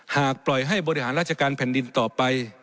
หากปล่อยให้บริหารราชการแผ่นดินต่อไป